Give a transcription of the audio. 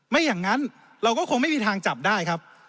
ไม่อย่างนั้นเราก็คงไม่มีทางจับได้ครับ